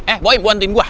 eh buim buantuin gue